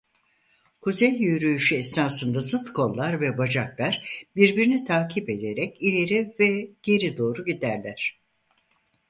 Kuzey Yürüyüşü esnasında zıt kollar ve bacaklar birbirini takip ederek ileri ve geri doğru giderler.